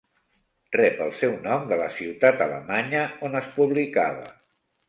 Rep el seu nom de la ciutat alemanya on es publicava.